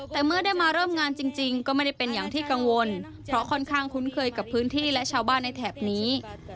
แต่เมื่อได้มาเริ่มงานจริงก็ไม่ได้เป็นอย่างที่กังวลเพราะค่อนข้างคุ้นเคยกับพื้นที่และชาวบ้านในแถบนี้